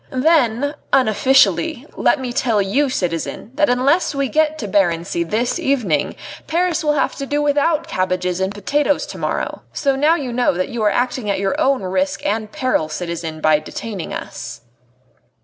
"Then, unofficially, let me tell you, citizen, that unless we get to Barency this evening, Paris will have to do without cabbages and potatoes to morrow. So now you know that you are acting at your own risk and peril, citizen, by detaining us."